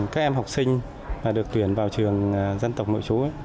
các em học sinh được tuyển vào trường dân tộc nội chú